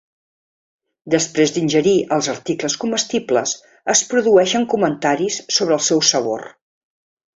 Després d'ingerir els articles comestibles es produeixen comentaris sobre el seu sabor.